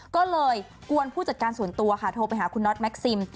ก็เลยกวนผู้จัดการส่วนตัวค่ะโทรไปหาคุณน็อตแม็กซิม